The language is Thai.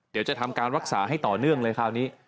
เดี๋ยวจะทำการรักษาให้ต่อเนื่องเลยคราวนี้